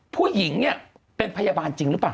ผู้หญิงเนี่ยเป็นพยาบาลจริงหรือเปล่า